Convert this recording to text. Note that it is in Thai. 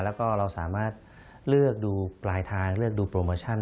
แล้วก็เราสามารถเลือกดูปลายทางเลือกดูโปรโมชั่น